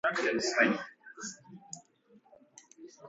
Zero values indicate that no relationship exists.